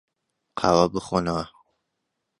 قاوە بخۆنەوە.